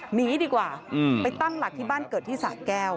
หนีดีกว่าไปตั้งหลักที่บ้านเกิดที่สะแก้ว